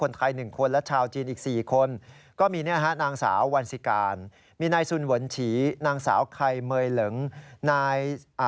สิบเจ็ดล้านสิบเจ็ดล้านนะคะอันนี้เราคุยไปเรื่องเงินไทย